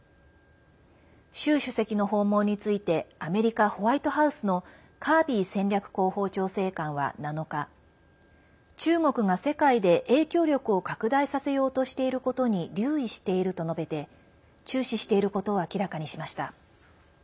習主席の訪問についてアメリカ・ホワイトハウスのカービー戦略広報調整官は７日中国が世界で影響力を拡大させようとしていることに留意していると述べて注視していることを明らかにしました。